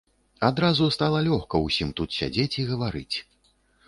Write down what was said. Адразу стала лёгка ўсім тут сядзець і гаварыць.